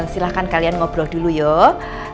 silahkan kalian ngobrol dulu yuk